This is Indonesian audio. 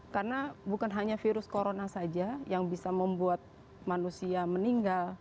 karena bukan hanya virus corona saja yang bisa membuat manusia meninggal